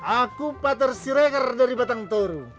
aku pak tersirekar dari batang toru